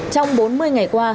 trong bốn mươi ngày qua